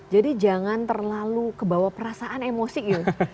jadi jangan terlalu kebawa perasaan emosi gitu